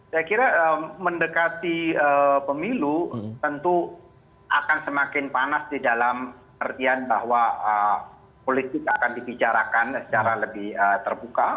saya kira mendekati pemilu tentu akan semakin panas di dalam artian bahwa politik akan dibicarakan secara lebih terbuka